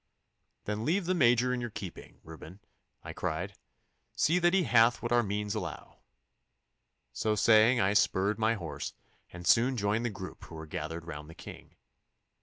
'Then I leave the Major in your keeping, Reuben,' I cried. 'See that he hath what our means allow.' So saying I spurred my horse, and soon joined the group who were gathered round the King.